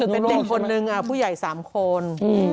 เป็น๑คน๑ผู้ใหญ่๓คน